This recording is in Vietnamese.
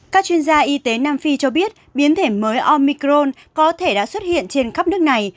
các chuyên gia y tế nam phi cho biết biến thể mới omicrone có thể đã xuất hiện trên khắp nước này